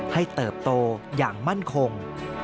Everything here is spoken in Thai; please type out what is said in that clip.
เติบโตอย่างมั่นคง